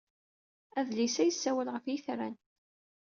Adlis-a yessawal ɣef yitran.